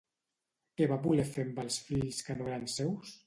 Què va voler fer amb els fills que no eren seus?